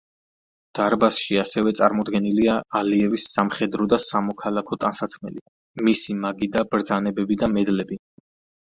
დარბაზში ასევე წარმოდგენილია ალიევის სამხედრო და სამოქალაქო ტანსაცმელი, მისი მაგიდა, ბრძანებები და მედლები.